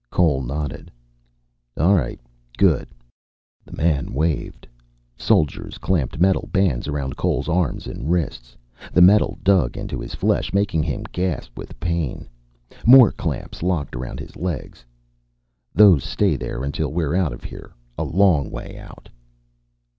Cole nodded. "All right. Good." The man waved. Soldiers clamped metal bands around Cole's arms and wrists. The metal dug into his flesh, making him gasp with pain. More clamps locked around his legs. "Those stay there until we're out of here. A long way out."